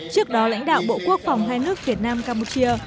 trước đó lãnh đạo bộ quốc phòng hai nước việt nam campuchia